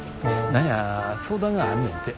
何や相談があんねんて。